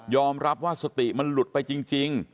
รับว่าสติมันหลุดไปจริง